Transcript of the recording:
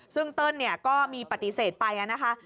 ซึ่งเติ้ลก็มีปฏิเสธไปนะคะ